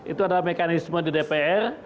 itu adalah mekanisme di dpr